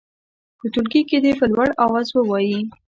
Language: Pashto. په ټولګي کې دې په لوړ اواز ووايي.